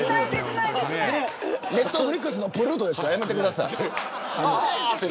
ＮｅｔｆｌｉｘのＰＬＵＴＯですからやめてください。